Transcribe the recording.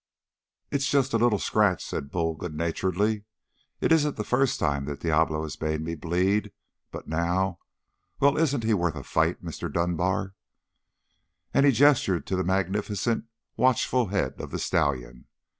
"It's just a little scratch," said Bull good naturedly. "It isn't the first time that Diablo has made me bleed but now well, isn't he worth a fight, Mr. Dunbar?" And he gestured to the magnificent, watchful head of the stallion.